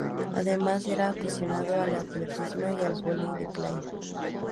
Además, era aficionado al atletismo y al vóley de playa.